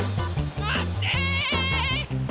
まって！